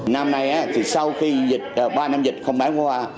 năm nay thì sau khi dịch ba năm dịch không bán qua